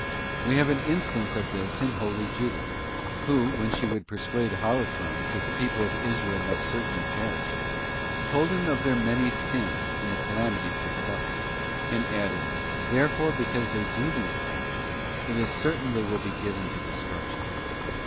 We have an instance of this in holy Judith, who, when she would persuade Holofernes that the people of Israel must certainly perish, told him of their many sins and the cala mities they suffered, and added, 'therefore because they do these things, it is certain they will be given to destruction.